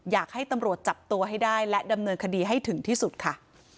อยากให้ตำรวจจับตัวให้ได้และดำเนินคดีให้ถึงที่สุดค่ะ